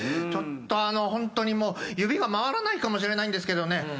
ちょっとあのホントに指が回らないかもしれないんですけど。